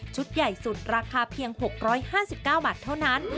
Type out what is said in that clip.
ใหญ่สุดราคาเพียง๖๕๙บาทเท่านั้น